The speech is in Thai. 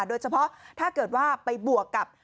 โดยเฉพาะถ้าเกิดว่าไปบวกกับ